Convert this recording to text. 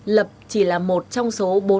lập chỉ là một người